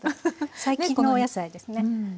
最近のお野菜ですね。